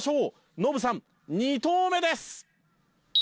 ノブさん２投目です！